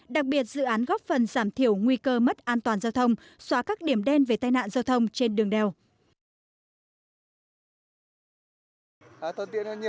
đặc biệt dự án góp phần giảm thiểu nguy cơ mất an toàn giao thông xóa các điểm đen về tai nạn giao thông trên đường đèo